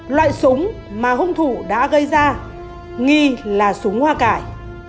loại súng mà hung thủ đã gây ra nghi là súng hoa cải